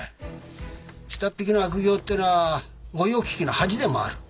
下っ引きの悪行ってのは御用聞きの恥でもある。